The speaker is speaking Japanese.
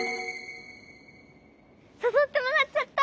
さそってもらっちゃった！